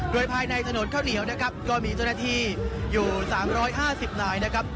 โดยภายในถนนข้าวเหนียวนะครับก็มีเจ้าหน้าที่อยู่๓๕๐นายนะครับ